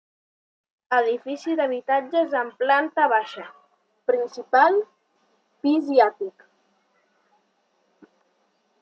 Edifici d'habitatges amb planta baixa, principal, pis i àtic.